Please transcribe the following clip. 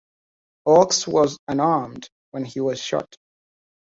Oakes was unarmed when he was shot.